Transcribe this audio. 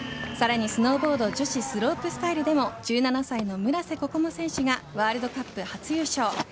さらにスノーボード女子スロープスタイルでも１７歳の村瀬心椛選手がワールドカップ初優勝。